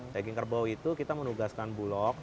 daging kerbau itu kita menugaskan bulog